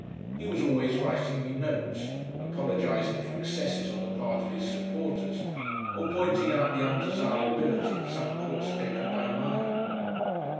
He was always writing me notes, apologising for excesses on the part of his supporters, or pointing out the undesirability of some course taken by mine.